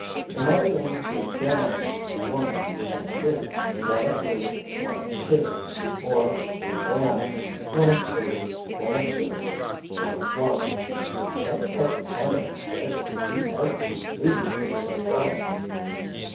"There might have been two gangs, one of three, one of two—or three bands—one of two, one of two, one of one——" "Don't poke fun at him, Dick. He argues reasonably so far."